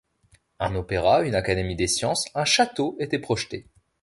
Un opéra, une académie des sciences, un château étaient projetés.